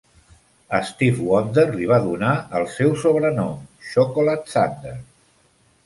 Stevie Wonder li va donar el seu sobrenom, "Chocolate Thunder".